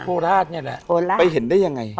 โคราชเนี่ยแหละไปเห็นได้ยังไง